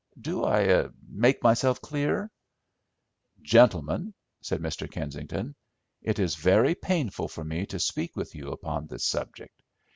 Do I make myself clear?" "Gentlemen," said Mr. Kensington, "it is very painful for me to speak with you upon this subject.